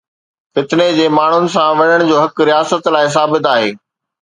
فتني جي ماڻهن سان وڙهڻ جو حق رياست لاءِ ثابت آهي.